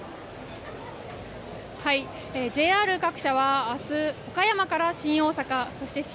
ＪＲ各社は明日岡山から新大阪そして新